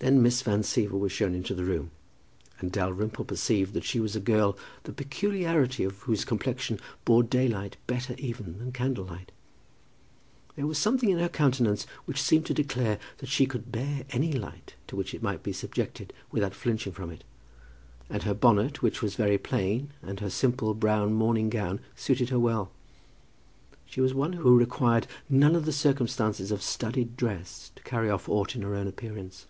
Then Miss Van Siever was shown into the room, and Dalrymple perceived that she was a girl the peculiarity of whose complexion bore daylight better even than candlelight. There was something in her countenance which seemed to declare that she could bear any light to which it might be subjected without flinching from it. And her bonnet, which was very plain, and her simple brown morning gown, suited her well. She was one who required none of the circumstances of studied dress to carry off aught in her own appearance.